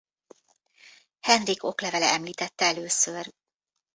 Henrik oklevele említette először.